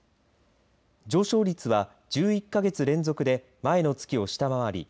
上昇率は１１か月連続で前の月を下回り